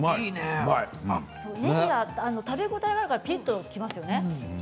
ねぎが食べ応えがあってピリッときますよね。